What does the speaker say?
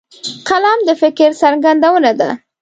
قلم د فکرو څرګندونه ده